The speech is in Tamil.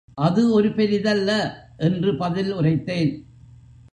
அது ஒரு பெரிதல்ல என்று பதில் உரைத்தேன்.